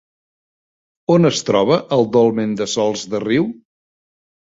On es troba el dolmen de Sòls de Riu?